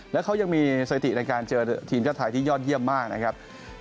แล้วเขายังมีสถิติในการเจอทีมชาติไทยที่ยอดเยี่ยมมากนะครับ